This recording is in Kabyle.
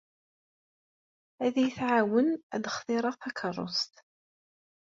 Ad yi-tɛawen ad d-xtireɣ takeṛṛust.